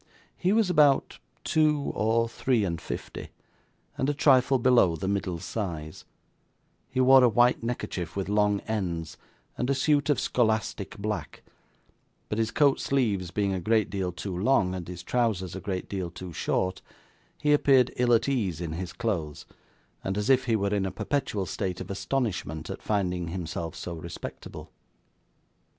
He was about two or three and fifty, and a trifle below the middle size; he wore a white neckerchief with long ends, and a suit of scholastic black; but his coat sleeves being a great deal too long, and his trousers a great deal too short, he appeared ill at ease in his clothes, and as if he were in a perpetual state of astonishment at finding himself so respectable.